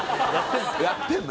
やってんの？